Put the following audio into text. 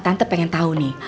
tante pengen tau nih